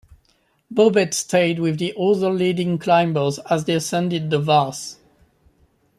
Bobet stayed with the other leading climbers as they ascended the Vars.